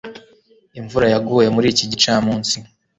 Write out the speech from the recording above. Imvura yaguye kuri iki gicamunsi